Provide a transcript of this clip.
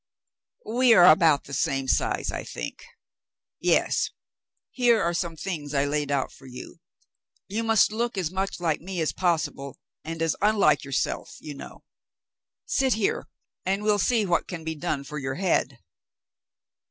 "We are about the same size, I think .^^ Yes. Here are some things I laid out for you. You must look as much like me as possible, and as unlike yourself, you know. Sit here and we'll see what can be done for your head.'